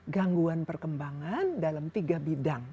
gangguan perkembangan dalam tiga bidang